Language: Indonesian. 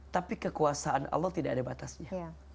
tapi kekuasaan allah tidak ada batasnya